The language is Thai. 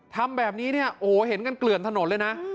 ทำแบบนี้เนี่ยโอ้โหเห็นกันเกลื่อนถนนเลยนะ